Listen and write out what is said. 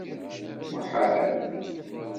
Muḥal!